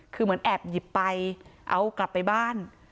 คือเหมือนแอบหยิบไปเอากลับไปบ้าน